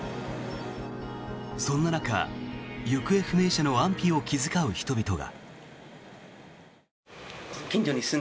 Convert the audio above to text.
そんな中、行方不明者の安否を気遣う人々が。